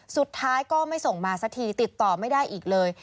สุดท้ายก็ไม่ส่งมาสักทีติดต่อไม่ได้อีกเลย